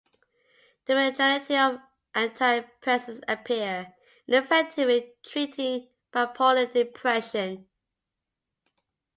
The majority of antidepressants appear ineffective in treating bipolar depression.